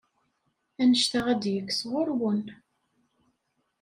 Anect-a ad d-yekk sɣur-wen.